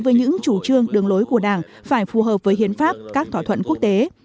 với những chủ trương đường lối của đảng phải phù hợp với hiến pháp các thỏa thuận quốc tế